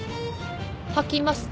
吐きます。